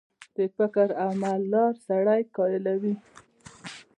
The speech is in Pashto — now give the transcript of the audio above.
د فکر او عمل لار سړی قایلوي.